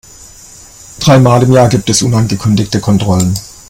Dreimal im Jahr gibt es unangekündigte Kontrollen.